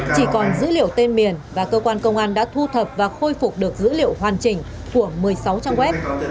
chỉ còn dữ liệu tên miền và cơ quan công an đã thu thập và khôi phục được dữ liệu hoàn chỉnh của một mươi sáu trang web